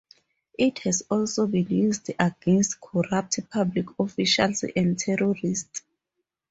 It has also been used against corrupt public officials and terrorists.